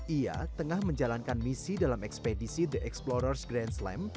ia tengah menjalankan misi dalam ekspedisi the explorers grand slam